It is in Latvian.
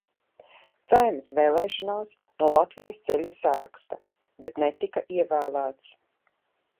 "Saeimas vēlēšanās no "Latvijas Ceļa" saraksta, bet netika ievēlēts."